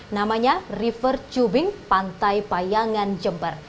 namanya river tubing pantai payangan jember